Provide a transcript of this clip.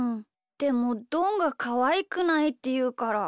でもどんが「かわいくない」っていうから。